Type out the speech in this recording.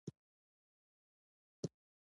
آیا الخوارزمي په ریاضیاتو کې کار نه دی کړی؟